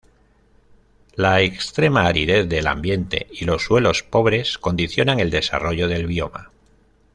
La extrema aridez del ambiente y los suelos pobres condicionan el desarrollo del bioma.